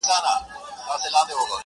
چي سېلونه د مرغیو چینارونو ته ستنیږي!